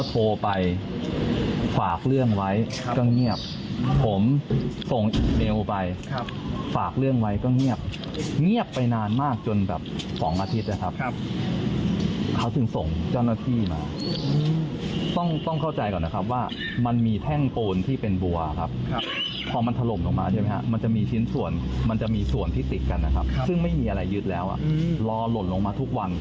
เพราะว่าไม่มีอะไรยึดแล้วร้องก็หล่นลงมาทุกวัน